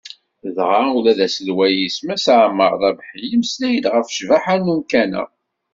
Dɣa ula d aselway-is Mass Ɛemmar Rabḥi, yemmeslay-d ɣef ccbaḥa n umkan-a.